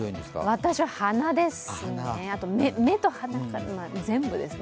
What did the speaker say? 私は鼻ですよね、目と鼻と、全部ですね。